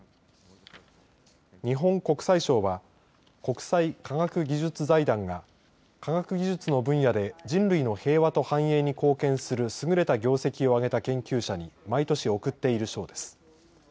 日本国際賞は国際科学技術財団が科学技術の分野で人類の平和と繁栄に貢献するすぐれた業績をあげた研究者に毎年贈っている賞です。